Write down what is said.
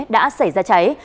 đã xảy ra cháy